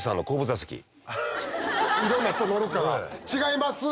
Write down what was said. いろんな人乗るから違います。